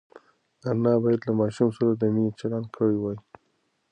انا باید له ماشوم سره د مینې چلند کړی وای.